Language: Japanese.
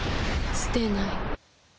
すてない。